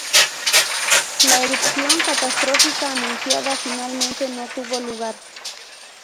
La erupción catastrófica anunciada, finalmente, no tuvo lugar.